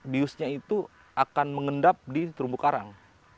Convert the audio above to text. biusnya itu akan mengendap di terumbu karang